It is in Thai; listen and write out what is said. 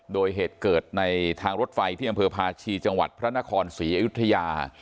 โดยเหตุเกิดในทางรถไฟที่อำเภอพาชีจังหวัดพระนครศรีอยุธยา